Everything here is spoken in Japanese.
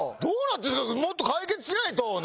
どうなってるんですかもっと解決しないと！